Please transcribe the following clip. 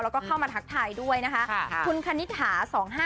แล้วเข้ามาทักทายด้วยคุณคณิถา๒๕๔๔๖